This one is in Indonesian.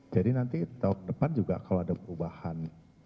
jadi nanti tahun depan juga kalau ada perubahan